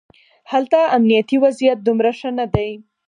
هلته امنیتي وضعیت دومره ښه نه دی.